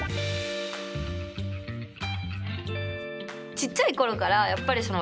ちっちゃい頃からやっぱりその私